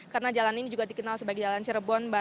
karena jalan ini juga dikenal sebagai jalan sirebon